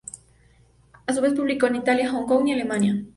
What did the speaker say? A su vez publicó en Italia, Hong-Kong y Alemania.